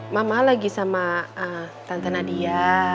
mama lagi sama tante nadia